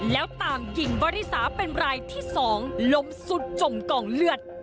แล้วตามยิงบริสาเป็นรายที่๒ล้มสุดจมกองเลือด